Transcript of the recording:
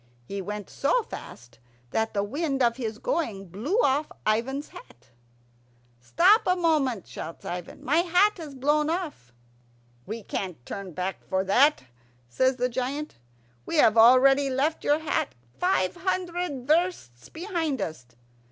He went so fast that the wind of his going blew off Ivan's hat. "Stop a moment," shouts Ivan; "my hat has blown off." "We can't turn back for that," says the giant; "we have already left your hat five hundred versts behind us."